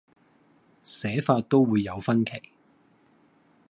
寫法都會有分歧